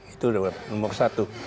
itu nomor satu